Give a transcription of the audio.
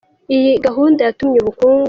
Iyi gahunda yatumye ubukungu.